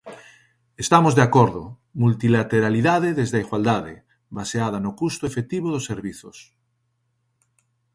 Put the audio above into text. Estamos de acordo: multilateralidade desde a igualdade, baseada no custo efectivo dos servizos.